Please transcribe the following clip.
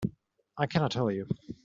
I cannot tell you.